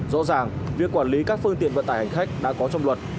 rõ ràng việc quản lý các phương tiện vận tải hành khách đã có trong luật